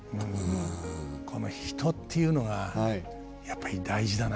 この人っていうのがやっぱり大事だな。